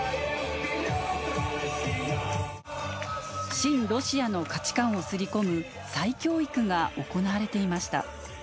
親ロシアの価値観をすり込む再教育が行われていました。